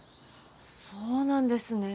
そうなんですね